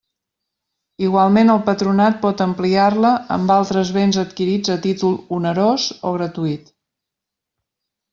Igualment el Patronat pot ampliar-la amb altres béns adquirits a títol onerós o gratuït.